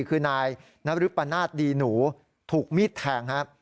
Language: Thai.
คือนายนรึปนาศดีหนูถูกมีดแทงครับ